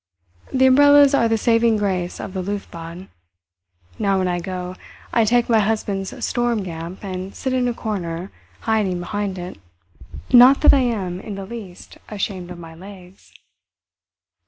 The umbrellas are the saving grace of the Luft Bad. Now when I go, I take my husband's "storm gamp" and sit in a corner, hiding behind it. Not that I am in the least ashamed of my legs.